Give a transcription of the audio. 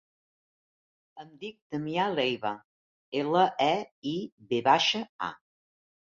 Em dic Damià Leiva: ela, e, i, ve baixa, a.